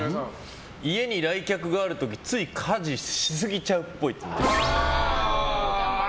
家に来客がある時つい家事しすぎちゃうっぽい。